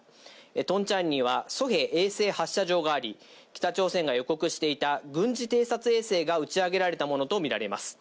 トンチャンリはソヘ衛星発射場があり、北朝鮮が予告していた、軍事偵察衛星が打ち上げられたものと見られます。